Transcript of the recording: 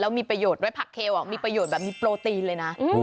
มีประโยชน์ไว้ผักเคลมีประโยชน์แบบมีโปรตีนเลยนะ